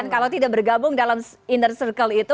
kalau tidak bergabung dalam inner circle itu